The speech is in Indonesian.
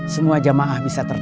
semua jamaah bisa berjaya